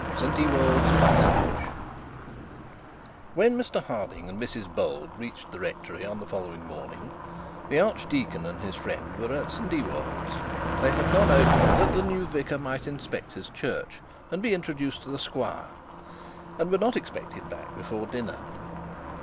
CHAPTER XXI ST EWOLD'S PARSONAGE When Mr Harding and Mrs Bold reached the rectory on the following morning, the archdeacon and his friend were at St Ewold's. They had gone over that the new vicar might inspect his church, and be introduced to the squire, and were not expected back before dinner.